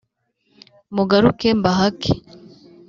mugaruke mbahake